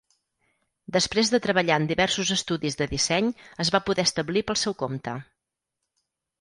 Després de treballar en diversos estudis de disseny es va poder establir pel seu compte.